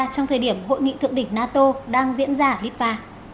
trong thời điểm hội nghị thượng đỉnh nato đang diễn ra ở litva